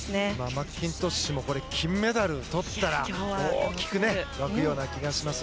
マッキントッシュも金メダルをとったら大きく沸くような気がします。